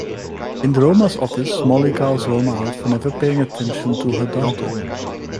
In Roma's office, Molly calls Roma out for never paying attention to her daughter.